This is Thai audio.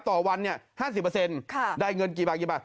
ต่อวันเนี่ยห้าสิบเปอร์เซ็นต์ค่ะได้เงินกี่บาทกี่บาท